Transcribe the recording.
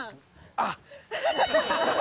あっ！